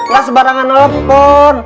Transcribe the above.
lah sebarangan telepon